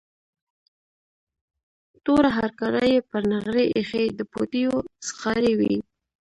توره هرکاره یې پر نغري ایښې، د پوټیو څښاری و.